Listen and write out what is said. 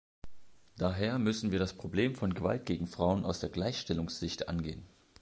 Daher müssen wir das Problem von Gewalt gegen Frauen aus der Gleichstellungssicht angehen.